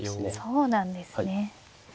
そうなんですね。